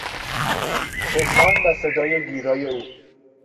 چشمان و صدای گیرای او